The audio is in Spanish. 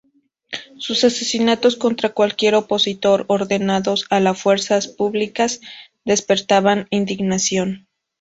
Sus asesinatos contra cualquier opositor, ordenados a las fuerzas públicas, despertaban indignación.